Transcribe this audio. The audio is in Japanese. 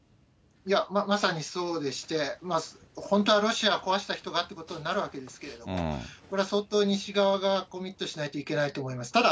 いや、まさにそうでして、本当はロシア壊した人がってなるわけですけれども、これは相当西側がコミットしなければいけないと思います。